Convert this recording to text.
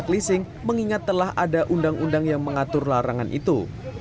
mengingat telah ada undang undang yang mengatur larangan itu